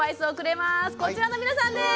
こちらの皆さんです！